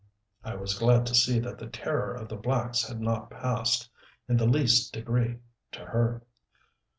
I was glad to see that the terror of the blacks had not passed, in the least degree, to her.